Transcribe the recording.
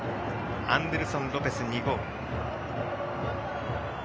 アンデルソン・ロペス２ゴール。